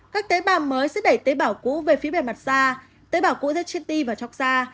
các tế bảo mới sẽ đẩy tế bảo cũ về phía bề mặt da tế bảo cũ sẽ chiến đi vào trọc da